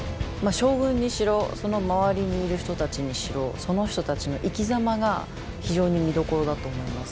将軍にしろその周りにいる人たちにしろその人たちの生きざまが非常に見どころだと思います。